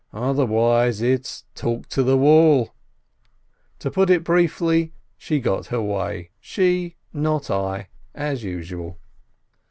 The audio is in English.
Other wise it's talk to the wall ! To put it briefly, she got her way — she, not I — as usual.